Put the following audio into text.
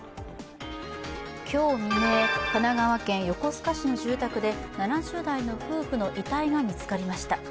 今日未明、神奈川県横須賀市の住宅で７０代の夫婦の遺体が見つかりました。